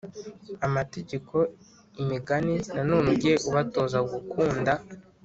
Amategeko imigani nanone ujye ubatoza gukunda